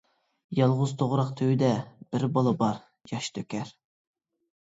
يالغۇز توغراق تۈۋىدە، بىر بالا بار، ياش تۆكەر.